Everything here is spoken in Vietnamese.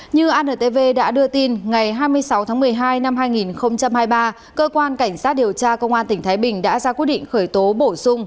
như antv đã đưa tin ngày hai mươi sáu tháng một mươi hai năm hai nghìn hai mươi ba cơ quan cảnh sát điều tra công an tỉnh thái bình đã ra quyết định khởi tố bổ sung